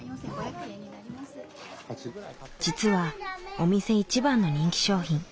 実はお店一番の人気商品。